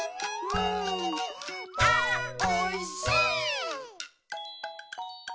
「あーおいしい」